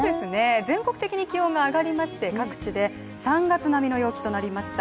全国的に気温が上がりまして各地で３月並みの陽気になりました。